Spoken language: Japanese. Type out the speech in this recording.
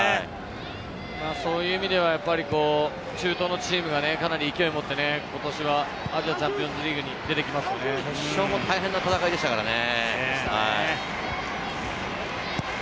そういう意味では中東のチームがかなり勢いを持ってことしはアジアチャンピオンズリーグに出てき決勝も大変な戦いでしたからね。